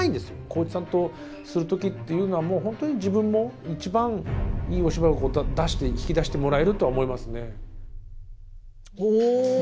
浩市さんとするときっていうのはもう本当に自分のいちばんいいお芝居を引き出してもらえるとは思いますね。